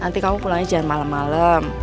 nanti kamu pulang aja malem malem